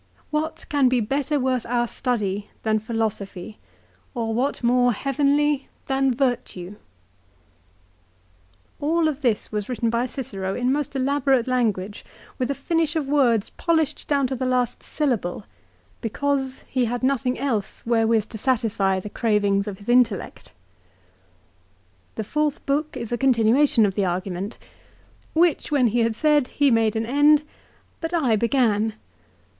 What can be better worth our study than philosophy, or what more heavenly than virtue ?" 1 All of this was written by Cicero in most elaborate language, with a finish of words polished down to the last syllable, 1 De Finibus, lib. iii. ca. xxii. 350 LIFE OF CICERO. because lie had nothing else wherewith to satisfy the cravings of his intellect. The fourth book is a continuation of the argument. " Which when he had said he (made) an end. But I (began)."